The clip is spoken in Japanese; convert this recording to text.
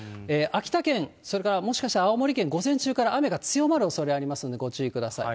秋田県、それからもしかしたら青森県、午前中から雨が強まるおそれありますので、ご注意ください。